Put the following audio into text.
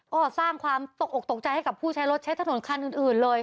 ก็สร้างความตกออกตกใจให้กับผู้ใช้รถใช้ถนนคันอื่นเลย